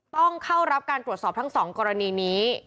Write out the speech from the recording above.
ต้องเข้ารับการตรวจสอบทั้ง๒กรณีนี้